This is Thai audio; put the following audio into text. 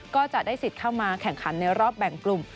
ก็จะได้สิทธิ์เข้ามาแข่งขันในรอบแบ่งกลุ่ม